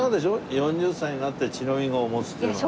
４０歳になって乳飲み子を持つっていうのは。